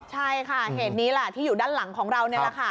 ใช่ค่ะเหตุนี้แหละที่อยู่ด้านหลังของเรานี่แหละค่ะ